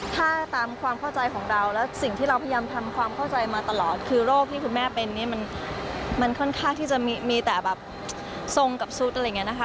ถ้าตามความเข้าใจของเราแล้วสิ่งที่เราพยายามทำความเข้าใจมาตลอดคือโรคที่คุณแม่เป็นนี่มันค่อนข้างที่จะมีแต่แบบทรงกับสุดอะไรอย่างนี้นะคะ